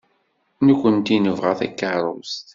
Nekkenti nebɣa takeṛṛust.